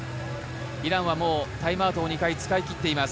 イランはもうタイムアウトを２回使いきっています。